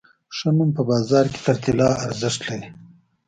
ښه نوم په بازار کې تر طلا ارزښت لري.